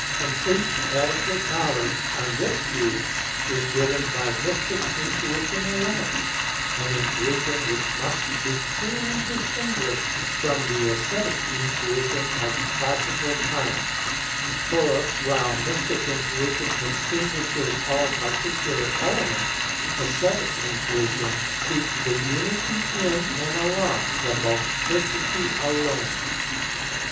Complete, adequate knowledge, on this view, is given by mystic intuition alone an intuition which must be clearly distinguished from the aesthetic intuition of classical times; for while mystic intuition extinguishes all par ticular elements, aesthetic intuition seeks the unity in and along the multiplicity alone.